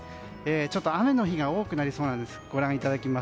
ちょっと雨の日が多くなりそうです。